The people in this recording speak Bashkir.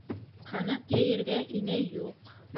Ҡанат йәйергә инәй юҡ.